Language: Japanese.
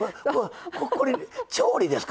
これ調理ですか？